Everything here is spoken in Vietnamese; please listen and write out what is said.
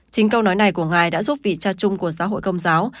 chính câu nói này của ngài đã giúp vị cha chung của giáo hội công giáo